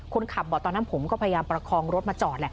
คนขับบอกตอนนั้นผมก็พยายามประคองรถมาจอดแหละ